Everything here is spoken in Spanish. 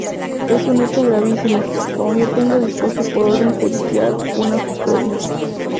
Es un hecho gravísimo, cuando yo tengo dispuesta por orden judicial una custodia.